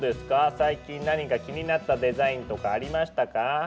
最近何か気になったデザインとかありましたか？